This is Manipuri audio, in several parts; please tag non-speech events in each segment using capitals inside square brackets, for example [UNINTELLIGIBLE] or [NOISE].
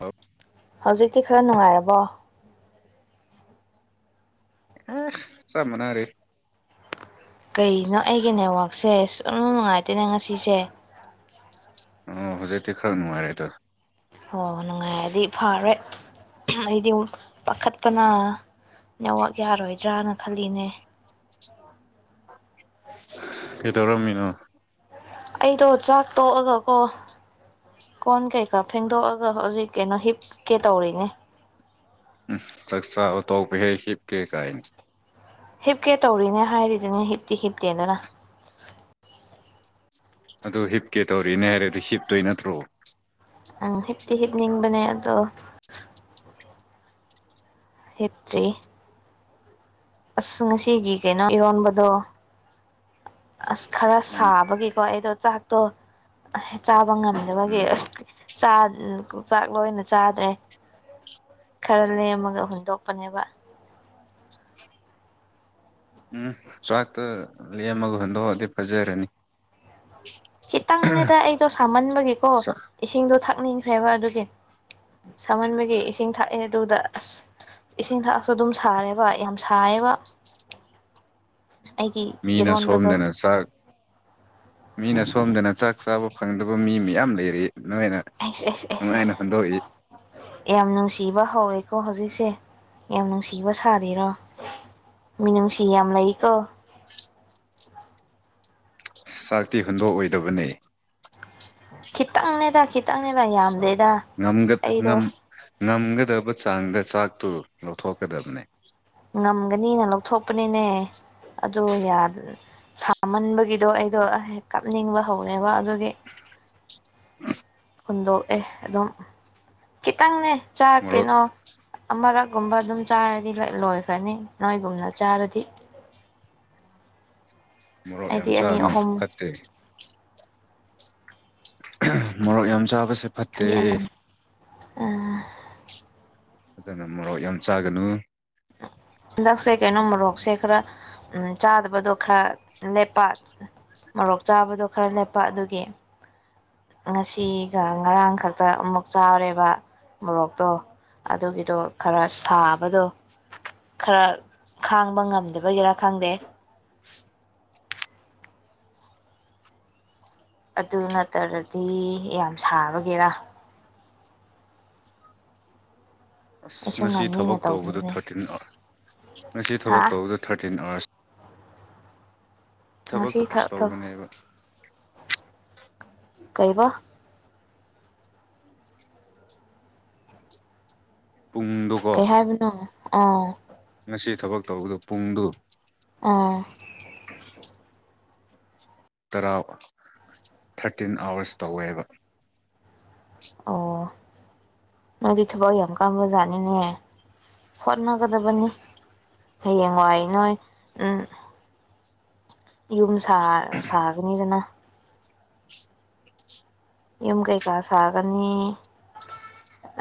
ꯑꯧ ꯍꯧꯖꯤꯛꯇꯤ ꯈꯔ ꯅꯨꯡꯉꯥꯏꯔꯕꯣ ꯑꯥ ꯆꯞ ꯃꯥꯟꯅꯔꯤ ꯀꯩꯅꯣ ꯑꯩꯒꯤ ꯅꯦꯠꯋꯥꯛꯁꯦ ꯁꯨꯅꯨꯡ ꯅꯨꯡꯉꯥꯏꯇꯦꯅꯦ ꯉꯁꯤꯁꯦ ꯑꯣ ꯍꯧꯖꯤꯛꯇꯤ ꯈꯔ ꯅꯨꯡꯉꯥꯏꯔꯦ ꯑꯗꯣ ꯍꯣꯏ ꯍꯣꯏ ꯅꯨꯡꯉꯥꯏꯔꯗꯤ ꯐꯔꯦ ꯑꯩꯗꯤ ꯄꯥꯈꯠꯄꯅ ꯅꯦꯋꯥꯛ ꯌꯥꯔꯣꯏꯗ꯭ꯔꯅ ꯈꯜꯂꯤꯅꯦ ꯀꯩꯗꯧꯔꯝꯃꯤꯅꯣ ꯑꯩꯗꯣ ꯆꯥꯛ ꯇꯣꯛꯑꯒꯀꯣ ꯀꯣꯟ ꯀꯩꯀꯥ ꯐꯦꯡꯗꯣꯛꯑꯒ ꯍꯧꯖꯤꯛ ꯀꯩꯅꯣ ꯍꯤꯞꯀꯦ ꯇꯧꯔꯤꯅꯦ ꯎꯝ ꯆꯥꯛꯆꯥꯕ ꯇꯣꯛꯄ ꯍꯦꯛ ꯍꯤꯞꯀꯦ ꯀꯥꯏꯅꯦ ꯍꯤꯞꯀꯦ ꯇꯧꯔꯤꯅꯦ ꯍꯥꯏꯔꯤꯗꯨꯅꯤ ꯍꯤꯞꯇꯤ ꯍꯤꯞꯇꯦꯗꯅ ꯑꯗꯨ ꯍꯤꯞꯀꯦ ꯇꯧꯔꯤꯅꯦ ꯍꯥꯏꯔꯗꯤ ꯍꯤꯞꯇꯣꯏ ꯅꯠꯇ꯭ꯔꯣ ꯎꯝ ꯍꯤꯞꯇꯤ ꯍꯤꯞꯅꯤꯡꯕꯅꯦ ꯑꯗꯣ ꯍꯤꯞꯇ꯭ꯔꯤ ꯑꯁ ꯉꯁꯤꯒꯤ ꯀꯩꯅꯣ ꯏꯔꯣꯟꯕꯗꯣ ꯑꯁ ꯈꯔ ꯎꯝ ꯁꯥꯕꯒꯤꯀꯣ ꯑꯩꯗꯣ ꯆꯥꯛꯇꯣ ꯆꯕ ꯉꯝꯗꯕꯒꯤ ꯎꯝ ꯆꯥꯛ ꯆꯥꯛ ꯂꯣꯏꯅ ꯆꯥꯗ꯭ꯔꯦ ꯈꯔ ꯂꯦꯝꯃꯒ ꯍꯨꯟꯗꯣꯛꯄꯅꯦꯕ ꯎꯝ ꯆꯥꯛꯇꯣ ꯂꯦꯝꯃꯒ ꯍꯟꯗꯣꯛ ꯑꯗꯤ ꯐꯖꯔꯅꯤ ꯈꯤꯇꯪ ꯅꯦꯗ ꯑꯩꯗꯣ ꯁꯥꯃꯟꯕꯒꯤꯀꯣ ꯏꯁꯤꯡꯗꯣ ꯊꯛꯅꯤꯡꯈ꯭ꯔꯦꯕ ꯑꯗꯨꯒꯤ ꯁꯃꯟꯕꯒꯤ ꯏꯁꯤꯡ ꯊꯥꯛꯑꯦ ꯑꯗꯨꯗ ꯑꯁ ꯏꯁꯤꯡ ꯊꯛꯑꯁꯨ ꯑꯗꯨꯝ ꯁꯥꯔꯦꯕ ꯌꯥꯝ ꯁꯥꯏꯌꯦꯕ [INAUDIBLE] ꯑꯩꯒꯤ ꯃꯤꯅ ꯏꯔꯣꯟꯕꯗꯣ ꯁꯣꯝꯗꯅ ꯆꯥꯛ ꯃꯤꯅ ꯁꯣꯝꯗꯅ ꯆꯥꯛ ꯆꯥꯕ ꯐꯪꯗꯕ ꯃꯤ ꯃꯌꯥꯝ ꯂꯩꯔꯤ ꯅꯣꯏꯅ ꯑꯩꯁ ꯑꯩꯁ ꯑꯩꯁ ꯅꯨꯡꯉꯥꯏꯅ ꯑꯩꯁ ꯍꯨꯟꯗꯣꯛꯏ ꯌꯥꯝ ꯅꯨꯡꯁꯤꯕ ꯍꯧꯋꯦꯀꯣ ꯍꯧꯖꯤꯛꯁꯦ ꯌꯥꯝ ꯅꯨꯡꯁꯤꯕ ꯁꯥꯔꯤꯔꯣ ꯃꯤꯅꯨꯡꯁꯤ ꯌꯥꯝ ꯂꯩꯀꯣ [INAUDIBLE] ꯆꯥꯛꯇꯤ ꯍꯨꯟꯗꯣꯛ ꯑꯣꯏꯗꯕꯅꯦ ꯈꯤꯇꯪꯅꯦꯗ ꯈꯤꯇꯪꯅꯦꯗ ꯌꯥꯝꯗꯦ ꯉꯝꯒ ꯉꯝ ꯉꯝꯒꯗꯕ ꯆꯥꯡꯗ ꯆꯥꯛꯇꯨ ꯂꯧꯊꯣꯛꯀꯗꯕꯅꯦ ꯉꯝꯒꯅꯤꯅ ꯂꯧꯊꯣꯛꯄꯅꯤꯅꯦ ꯑꯗꯨ ꯁꯥꯃꯟꯕꯒꯤꯗꯣ ꯑꯩꯗꯣ ꯀꯥꯞꯅꯤꯡꯕ ꯍꯧꯕꯔꯦꯕ ꯑꯗꯨꯒꯤ [INAUDIBLE] ꯍꯨꯟꯗꯣꯛꯑꯦ ꯑꯗꯨꯝ ꯈꯤꯇꯪꯅꯦ ꯆꯥꯛ ꯃꯣꯔꯣꯛ ꯀꯩꯅꯣ ꯑꯃꯔꯛ ꯒꯨꯝꯕ ꯑꯗꯨꯝ ꯆꯥꯔꯗꯤ ꯂꯣꯏꯈ꯭ꯔꯅꯤ ꯅꯣꯏꯒꯨꯝꯅ ꯆꯥꯔꯗꯤ ꯃꯣꯔꯣꯛ ꯌꯥꯝ ꯑꯩꯗꯤ ꯑꯅꯤ ꯆꯥꯒꯅꯨ ꯑꯍꯨꯝ ꯐꯠꯇꯦ ꯃꯣꯔꯣꯛ ꯌꯥꯝ ꯆꯥꯕꯁꯦ ꯐꯠꯇꯦ ꯑꯥ ꯑꯗꯨꯅ ꯃꯣꯔꯣꯛ ꯌꯥꯝ ꯆꯥꯒꯅꯨ ꯍꯟꯗꯛꯁꯦ ꯀꯩꯅꯣ ꯃꯣꯔꯣꯛꯁꯦ ꯈꯔ ꯎꯝ ꯆꯥꯗꯕꯗꯣ ꯈꯔ ꯂꯦꯞꯄ ꯃꯣꯔꯣꯛ ꯆꯥꯕꯗꯣ ꯈꯔ ꯂꯦꯞꯄ ꯑꯗꯨꯒꯤ ꯉꯁꯤꯒ ꯉꯔꯥꯡ ꯈꯛꯇ ꯑꯃꯨꯛ ꯆꯥꯎꯔꯦꯕ ꯃꯣꯔꯣꯛꯇꯣ ꯑꯗꯨꯒꯤꯗꯣ ꯈꯔ ꯁꯥꯕꯗꯣ ꯈꯔ ꯈꯥꯡꯕ ꯉꯝꯗꯕꯒꯤꯔꯥ ꯈꯪꯗꯦ [INAUDIBLE] ꯑꯗꯨ ꯅꯠꯇ꯭ꯔꯗꯤ ꯌꯥꯝ ꯁꯥꯕꯒꯤꯔꯥ ꯑꯁ ꯑꯩꯁꯨ ꯉꯁꯤ ꯉꯝꯅꯤꯅ ꯊꯕꯛ ꯇꯧꯕꯗꯣ ꯇꯧꯕꯅꯤꯅꯦ ꯊꯥꯔꯇꯤꯟ ꯑꯋꯥꯔꯁ ꯉꯁꯤ ꯊꯕꯛ ꯍꯥ ꯇꯧꯕꯗꯣ ꯊꯥꯔꯇꯤꯟ ꯑꯋꯥꯔꯁ ꯊꯕꯛ ꯉꯁꯤ ꯐꯔꯁ ꯈꯛꯇ ꯇꯧꯕꯅꯦꯕ ꯀꯩꯕ ꯀꯩ ꯄꯨꯡꯗꯣꯀꯣ ꯍꯥꯏꯕꯅꯣ ꯑꯥ ꯉꯁꯤ ꯊꯕꯛ ꯇꯧꯕꯗꯣ ꯄꯨꯡꯗꯨ ꯑꯥ ꯇꯔꯥ ꯊꯥꯔꯇꯤꯟ ꯑꯥꯋꯔꯁ ꯇꯧꯋꯦꯕ ꯑꯣ ꯅꯪꯗꯤ ꯊꯕꯛ ꯌꯥꯝ ꯀꯥꯕ ꯖꯥꯠꯅꯤꯅꯦ ꯍꯣꯠꯅꯒꯗꯕꯅꯤ ꯍꯌꯦꯡꯋꯥꯏ ꯅꯣꯏ ꯎꯝ ꯌꯨꯝ ꯁꯥ ꯁꯥꯒꯅꯤꯗꯅ [INAUDIBLE] ꯌꯨꯝ ꯀꯩꯀꯥ ꯁꯥꯒꯅꯤ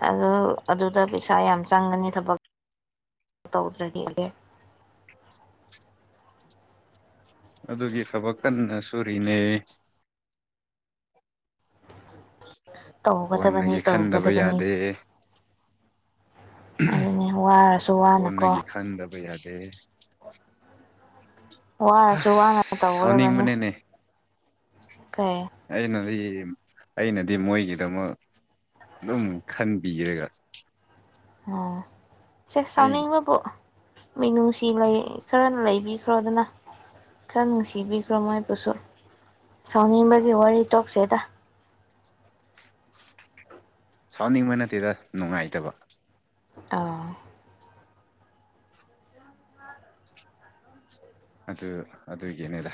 ꯑꯗꯨ ꯑꯗꯨꯗ ꯄꯩꯁꯥ ꯌꯥꯝ ꯆꯪꯒꯅꯤ ꯊꯕꯛ ꯇꯧꯗ꯭ꯔ ꯗꯤ [INAUDIBLE] ꯑꯗꯨꯒꯤ ꯊꯕꯛ ꯀꯟꯅ ꯁꯨꯔꯤꯅꯦ ꯇꯧꯒꯗꯕꯅꯤ ꯀꯣꯟꯅꯒꯤ ꯈꯟꯗꯕ ꯇꯧꯒꯗꯕꯅꯤ ꯌꯥꯗꯦ ꯑꯗꯨꯅꯤ ꯋꯥꯔꯁꯨ ꯋꯥꯅꯀꯣ ꯀꯣꯟꯅꯒꯤ ꯈꯪꯗꯕ ꯌꯥꯗꯦ ꯑꯁ ꯋꯥꯔꯁꯨ ꯋꯥꯅ ꯇꯧꯒꯗꯕꯅꯤ ꯁꯥꯎꯅꯤꯡꯕꯅꯤꯅꯦ ꯀꯩ ꯑꯩꯅꯗꯤ ꯑꯩꯅꯗꯤ ꯃꯣꯏꯒꯤꯗꯃꯛ ꯑꯗꯨꯝ ꯈꯟꯕꯤꯔꯒ ꯑꯣ ꯆꯦ ꯑꯩ ꯁꯥꯎꯅꯤꯡꯕꯕꯣ ꯃꯤꯅꯨꯡꯁꯤ ꯂꯩ ꯈꯔ ꯂꯩꯕꯤꯈ꯭ꯔꯣꯗꯅ ꯈꯔ ꯅꯨꯡꯁꯤꯕꯤꯈ꯭ꯔꯣ ꯃꯣꯏꯕꯨꯁꯨ ꯁꯥꯎꯅꯤꯡꯕꯒꯤ ꯋꯥꯔꯤ ꯇꯣꯛꯁꯦꯗ [INAUDIBLE] ꯁꯥꯎꯅꯤꯡꯕ ꯅꯠꯇꯦꯗ ꯅꯨꯡꯉꯥꯏꯇꯕ ꯑꯧ ꯑꯗꯨ ꯑꯗꯨꯒꯤꯅꯦꯗ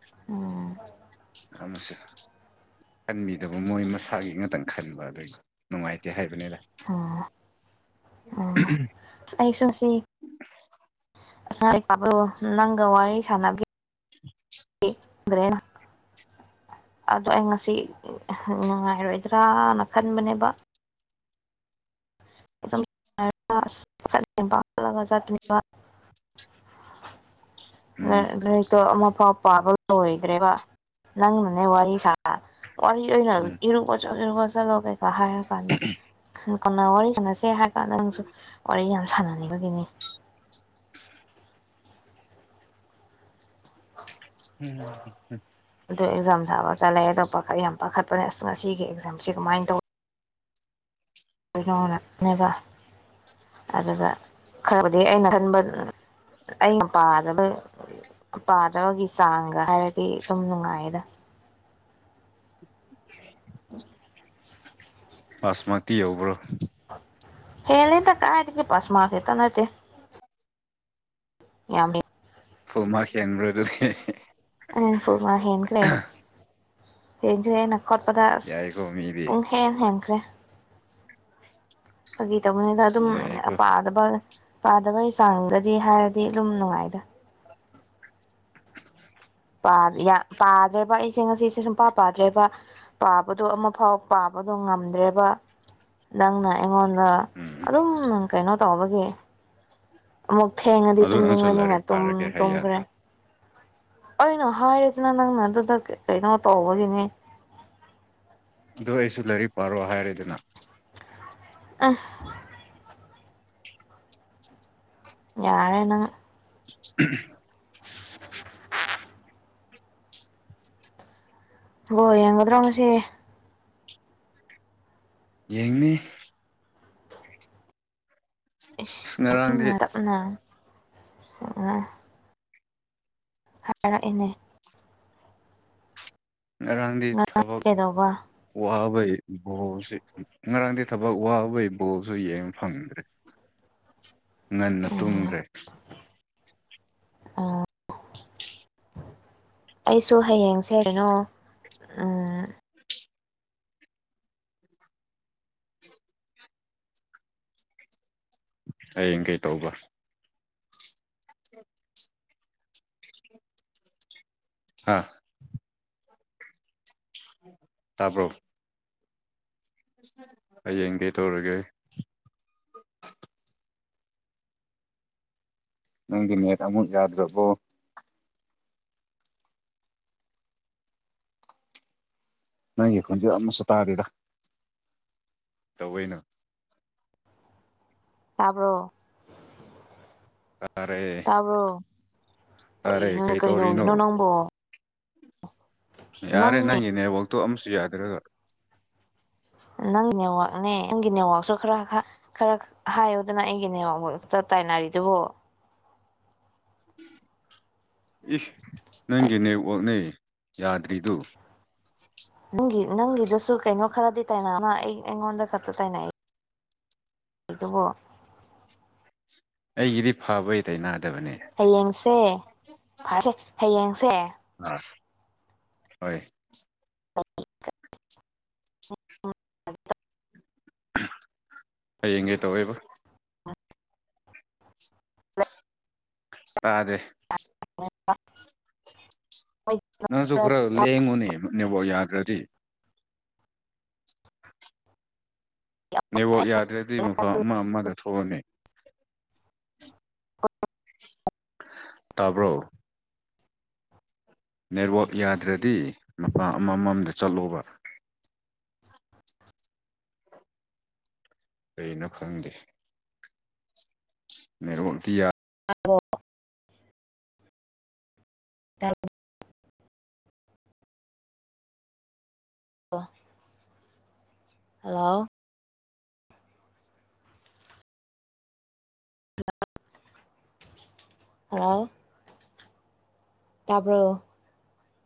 ꯑꯣ ꯑꯃꯁꯦ ꯈꯟꯕꯤꯗꯕ ꯃꯣꯏ ꯃꯁꯥꯒꯤ ꯉꯥꯛꯇꯪ ꯈꯟꯕ ꯑꯗꯨꯏ ꯅꯨꯡꯉꯥꯏꯇꯦ ꯍꯥꯏꯕꯅꯤꯗ ꯑꯣ ꯑꯩꯁꯨ ꯁꯤ [UNINTELLIGIBLE] ꯅꯪꯒ ꯋꯥꯔꯤ ꯁꯥꯟꯅꯕꯤ [UNINTELLIGIBLE] ꯑꯗꯣ ꯑꯩ ꯉꯁꯤ ꯅꯨꯡꯉꯥꯏꯔꯣꯏꯗ꯭ꯔꯅ ꯈꯟꯕꯅꯦꯕ [UNINTELLIGIBLE] ꯎꯝ ꯂꯥꯏꯔꯤꯛꯇꯣ ꯑꯃ ꯐꯥꯎ ꯄꯥꯕ ꯂꯣꯏꯗ꯭ꯔꯦꯕ ꯅꯪꯅꯅꯦ ꯋꯥꯔꯤ ꯁꯥ ꯋꯥꯔꯤ ꯑꯣꯏꯅ ꯎꯝ ꯏꯔꯨꯕꯁꯨ ꯆꯠꯂꯣ ꯀꯩꯀꯥ ꯍꯥꯏꯔ ꯀꯥꯟꯗ ꯀ ꯋꯥꯔꯤ ꯁꯥꯟꯅꯁꯦ ꯍꯥꯏꯔ ꯀꯥꯟꯗ ꯅꯪꯁꯨ ꯋꯥꯔꯤꯅ ꯁꯥꯟꯅꯅꯤꯡꯕꯒꯤꯅꯤ ꯎꯝ ꯑꯗ ꯑꯦꯛꯖꯥꯝ ꯊꯕꯒ ꯆꯠꯂꯛꯑ ꯑꯗꯣ ꯄꯥꯈꯠ ꯌꯥꯝ ꯄꯥꯈꯠꯄꯅꯦ ꯑꯁ ꯉꯁꯤꯒꯤ ꯑꯦꯛꯖꯥꯝꯁꯤ ꯀꯃꯥꯏꯅ ꯇꯧꯋ ꯀꯅꯦꯕ ꯑꯗꯨꯒꯗ ꯈꯔꯕꯨꯗꯤ ꯑꯩꯅ ꯈꯟꯕ ꯑꯩꯅ ꯄꯥꯕꯗ ꯄꯥꯗꯕꯒꯤ ꯆꯥꯡꯒ ꯍꯥꯏꯔꯗꯤ ꯑꯗꯨꯝ ꯅꯨꯡꯉꯥꯏꯗ [INAUDIBLE] [INAUDIBLE] ꯄꯥꯁ ꯃꯥꯛꯇꯤ ꯌꯧꯕ꯭ꯔꯣ ꯍꯦꯂꯗ ꯀꯥꯏꯇꯒꯤ ꯄꯥꯁ ꯃꯥ꯭ꯔꯛ ꯈꯛꯇ ꯅꯠꯇꯦ ꯌꯥꯝ ꯐꯨꯜ ꯃꯥ꯭ꯔꯛ ꯍꯦꯟꯕ꯭ꯔꯥ ꯑꯗꯨꯗꯤ ꯐꯨꯜ ꯃꯥ꯭ꯔꯛ ꯍꯦꯟꯈ꯭ꯔꯦ ꯍꯦꯟꯈ꯭ꯔꯦꯅ ꯈꯣꯠꯄꯗ ꯑꯁ ꯌꯥꯏꯀꯣ ꯃꯤꯗꯤ ꯄꯨꯡ ꯍꯦꯟ ꯍꯦꯟꯈ꯭ꯔꯦ ꯐꯥꯒꯤ ꯇꯧꯕꯅꯤꯅ ꯑꯗꯨꯝ ꯌꯥꯏꯀꯣ ꯄꯥꯗꯕ ꯄꯥꯗꯕꯒꯤ ꯆꯥꯡꯗꯗꯤ ꯍꯥꯏꯔꯗꯤ ꯗꯨꯝ ꯅꯨꯡꯉꯥꯏꯗ [INAUDIBLE] ꯄꯥ ꯌꯥ ꯄꯥꯗ꯭ꯔꯦꯕ ꯑꯩꯁꯦ ꯉꯁꯤꯁꯦ ꯁꯨꯡꯄꯥ ꯄꯥꯗ꯭ꯔꯦꯕ ꯄꯥꯕꯗꯣ ꯑꯃꯐꯥꯎ ꯄꯥꯕꯗꯣ ꯉꯝꯗ꯭ꯔꯦꯕ ꯅꯪꯅ ꯑꯩꯉꯣꯟ ꯗ ꯎꯝ ꯑꯗꯨꯝ ꯀꯩꯅꯣ ꯇꯧꯕꯒꯤ ꯑꯃꯨꯛ ꯊꯦꯡꯉꯗꯤ ꯑꯗꯨ ꯅꯪꯁꯨ ꯇꯨꯝꯅꯤꯡꯉꯣꯏꯅꯤꯅ ꯂꯥꯏꯔꯤꯛ ꯄꯥꯔꯒꯦ ꯍꯥꯏ ꯇꯨꯝꯈ꯭ꯔꯦ ꯌꯥꯗ꯭ꯔꯣ ꯑꯩꯅ ꯍꯥꯏꯔꯗꯅ ꯅꯪꯅ ꯑꯗꯨꯗ ꯀꯩꯅꯣ ꯇꯧꯕꯒꯤꯅꯦ ꯑꯗꯨ ꯑꯣꯏꯔꯁꯨ ꯂꯥꯏꯔꯤꯛ ꯄꯥꯔꯣ ꯍꯥꯏꯔꯦꯗꯅ ꯑꯥ ꯌꯥꯔꯦ ꯅꯪ ꯎꯝ ꯍꯝ [INAUDIBLE] ꯕꯣꯜ ꯌꯦꯡꯒꯗ꯭ꯔꯣ ꯉꯁꯤ ꯌꯦꯡꯅꯤ ꯏꯁ ꯏꯪꯅ ꯉꯔꯥꯡꯗꯤ ꯇꯞꯅ ꯍꯣꯏꯃ ꯍꯥꯏꯔꯛꯏꯅꯦ ꯉꯔꯥꯡꯗꯤ ꯉꯔꯥꯡ ꯊꯕꯛ ꯀꯩꯗꯧꯕ ꯋꯥ ꯕꯩ ꯕꯣꯜꯁꯤ ꯉꯔꯥꯡꯗꯤ ꯊꯕꯛ ꯋꯥꯔꯨꯕꯩ ꯕꯣꯜꯁꯨ ꯌꯦꯡꯕ ꯐꯪꯗ꯭ꯔꯦ ꯉꯟꯅ ꯇꯨꯝꯈ꯭ꯔꯦ ꯑꯣ ꯑꯩꯁꯨ ꯍꯌꯦꯡꯁꯦ ꯀꯩꯅꯣ ꯑꯥ ꯍꯌꯦꯡ ꯀꯩ ꯇꯧꯕ ꯍꯥ ꯇꯥꯕ꯭ꯔꯣ ꯍꯌꯦꯡ ꯀꯩ ꯇꯧꯔꯒꯦ ꯅꯪꯗꯣ ꯅꯦꯠ ꯑꯃꯨꯛ ꯌꯥꯗ꯭ꯔꯕꯣ ꯅꯪꯒꯤ ꯈꯣꯟꯖꯦꯜ ꯑꯃꯁꯨ ꯇꯥꯔꯤꯗ ꯇꯧꯋꯦꯅ ꯇꯥꯕ꯭ꯔꯣ ꯇꯥꯔꯦ ꯇꯥꯕ꯭ꯔꯣ ꯇꯥꯔꯦ ꯀꯩꯅꯣ ꯀꯩ ꯀꯗꯧꯔꯤꯅꯣ ꯇꯧꯔꯤꯅꯣ ꯅꯪꯕꯣ ꯌꯥꯔꯦ ꯅꯪꯅꯦ ꯅꯪꯒꯤ ꯅꯦꯠꯋꯥꯛꯇꯣ ꯑꯃꯁꯨ ꯌꯥꯗ꯭ꯔꯒ ꯅꯪꯒꯤ ꯅꯦꯋꯥꯛꯅꯦ ꯅꯪꯒꯤ ꯅꯦꯋꯥꯛꯁꯨ ꯈꯔ ꯈꯔ ꯈꯔ ꯍꯥꯏꯌꯨꯗꯅ ꯑꯩꯒꯤ ꯅꯦꯋꯥꯛ ꯇꯥꯏꯅꯔꯤꯗꯨꯕꯨ [INAUDIBLE] ꯏꯁ ꯅꯪꯒꯤ ꯅꯦꯠꯋꯥꯛꯅꯦ ꯌꯥꯗ꯭ꯔꯤꯗꯨ ꯅꯪꯒꯤ ꯅꯪꯒꯤꯗꯨꯁꯨ ꯀꯩꯅꯣ ꯈꯔꯗꯤ ꯇꯥꯏꯅ ꯑꯩ ꯑꯩꯉꯣꯟꯗ ꯈꯛꯇ ꯇꯥꯏꯅꯩ ꯗꯨꯕꯣ ꯑꯩꯒꯤꯗꯤ ꯐꯕꯩ ꯂꯩꯅ ꯍꯌꯦꯡꯁꯦ ꯐꯁꯦ ꯍꯌꯦꯡꯁꯦ ꯑꯥ ꯍꯣꯏ [UNINTELLIGIBLE] ꯍꯌꯦꯡ ꯀꯩꯇꯧꯋꯦꯕ ꯇꯥꯔꯦ [UNINTELLIGIBLE] ꯅꯪꯁꯨ ꯈꯔ ꯂꯦꯡꯉꯨꯅꯦ ꯅꯦꯠꯋꯛ ꯌꯥꯗ꯭ꯔꯗꯤ ꯅꯦꯠꯋꯥꯛ ꯌꯥꯗ꯭ꯔꯗꯤ ꯃꯐꯝ ꯑꯃ ꯑꯃꯗ ꯊꯣꯛꯑꯣꯅꯦ [UNINTELLIGIBLE] ꯇꯥꯕ꯭ꯔꯣ ꯅꯦꯠꯋꯥꯛ ꯌꯥꯗ꯭ꯔꯗꯤ ꯃꯄꯥ ꯑꯃꯃꯝꯗ ꯆꯠꯂꯣꯕ ꯀꯩꯅꯣ ꯈꯪꯗꯦ ꯅꯦꯠꯋꯛꯇꯤ ꯌꯥ ꯑꯣ ꯇꯥꯔꯣ ꯑꯣ ꯍꯜꯂꯣ [UNINTELLIGIBLE] ꯍꯜꯂꯥꯎ ꯇꯥꯕ꯭ꯔꯣ